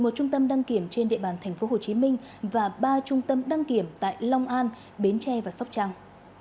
một trung tâm đăng kiểm trên địa bàn tp hcm và ba trung tâm đăng kiểm tại long an bến tre và sóc trăng